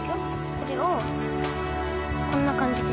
これをこんな感じで。